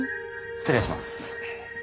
失礼します。